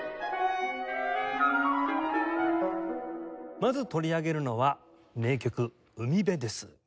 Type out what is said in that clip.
まず取り上げるのは名曲『海辺』です。